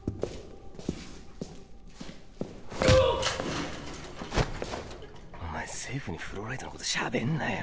うおっ！お前政府にフローライトのことしゃべんなよ